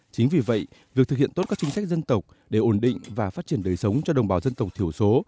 chính vì vậy việc thực hiện tốt các chính sách dân tộc để ổn định và phát triển đời sống cho đồng bào dân tộc thiểu số